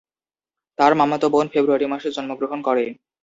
তার মামাতো বোন ফেব্রুয়ারি মাসে জন্মগ্রহণ করে।